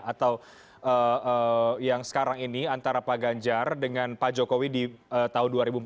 atau yang sekarang ini antara pak ganjar dengan pak jokowi di tahun dua ribu empat belas